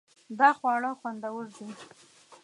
دا خواړه خوندور دي